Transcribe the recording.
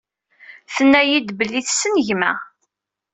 Tennayi-d belli tessen gma.